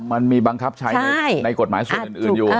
บังคับใช้ในกฎหมายส่วนอื่นอยู่